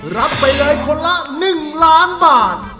รับไปเลยคนละ๑ล้านบาท